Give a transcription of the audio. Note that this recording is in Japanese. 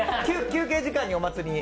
休憩時間にお祭りに。